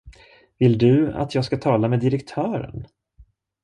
Vill du, att jag skall tala med direktören?